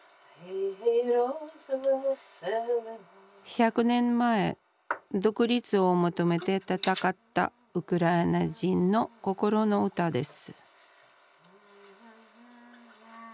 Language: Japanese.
１００年前独立を求めて闘ったウクライナ人の心の歌です